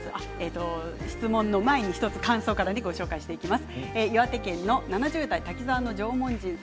質問の前に１つ感想からご紹介していきます。